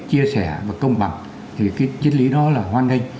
chia sẻ và công bằng thì cái chiến lý đó là hoan nghênh